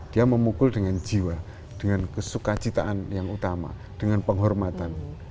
dia memukul dengan jiwa dengan kesuka citaan yang utama dengan penghormatan